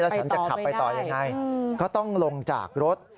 ฉันจะขับไปต่อยังไงก็ต้องลงจากรถ